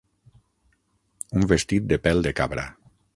Un vestit de pèl de cabra.